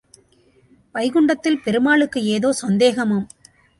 வைகுண்டத்தில் பெருமாளுக்கு ஏதோ சந்தேகமாம்.